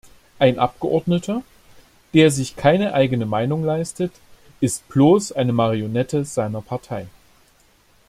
Ein Abgeordneter, der sich keine eigene Meinung leistet, ist bloß eine Marionette seiner Partei.